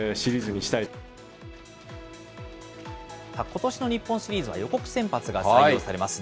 ことしの日本シリーズは、予告先発が採用されます。